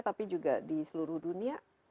tapi juga di seluruh dunia